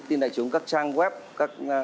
tin đại chúng các trang web các